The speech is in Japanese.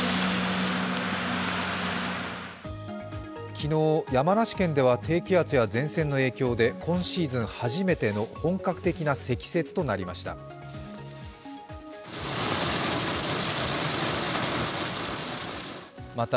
昨日、山梨県では低気圧や前線の影響で今シーズン初めての本格的な積雪となりました。